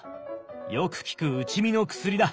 よく効く打ち身の薬だ。